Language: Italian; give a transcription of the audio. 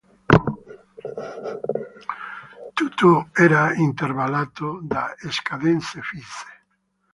Tutto era intervallato da scadenze fisse.